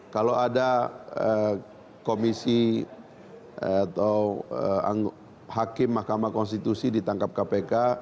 kalau ada komisi atau hakim mahkamah konstitusi ditangkap kpk